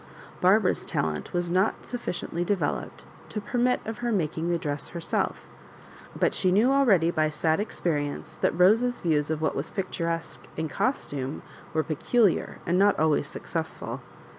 Barba ra's talent was not sufficiently developed to per mit of her making the dress herself; but she knew already by sad experience that Rose's views of what was picturesque in costume were peculiar, and not always successful.